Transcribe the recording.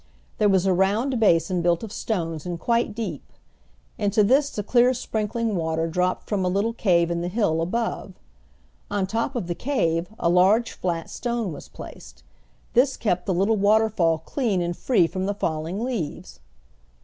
There was a round basin built of stones and quite deep. Into this the clear sprinkling water dropped from a little cave in the hill above. On top of the cave a large flat stone was placed. This kept the little waterfall clean and free from the falling leaves.